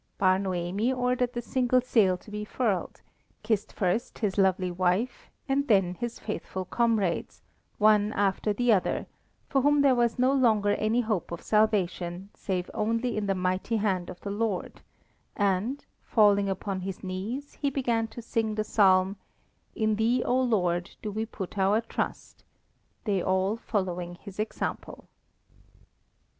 Bar Noemi ordered the single sail to be furled, kissed first his lovely wife, and then his faithful comrades, one after the other, for whom there was no longer any hope of salvation save only in the mighty hand of the Lord, and, falling upon his knees, he began to sing the psalm: "In Thee, O Lord, do we put our trust," they all following his example.